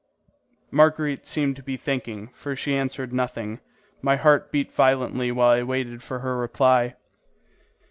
Marguerite seemed to be thinking, for she answered nothing. My heart beat violently while I waited for her reply.